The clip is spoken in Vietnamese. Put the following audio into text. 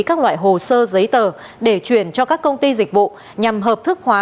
các loại hồ sơ giấy tờ để chuyển cho các công ty dịch vụ nhằm hợp thức hóa